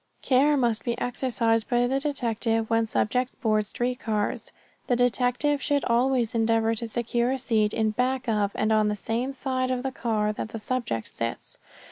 Care must be exercised by the detective when subjects board street cars. The detective should always endeavor to secure a seat in back of, and on the same side of the car that the subject sits.